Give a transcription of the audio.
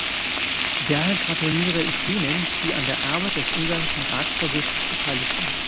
Daher gratuliere ich jenen, die an der Arbeit des ungarischen Ratsvorsitzes beteiligt sind.